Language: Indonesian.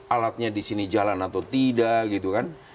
alatnya disini jalan atau tidak